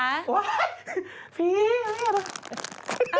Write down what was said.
พี่อะไร